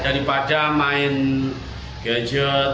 daripada main gadget